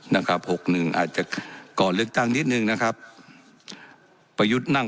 นะครับหกหนึ่งอาจจะก่อนลึกตั้งนิดหนึ่งนะครับไปยุดนั่ง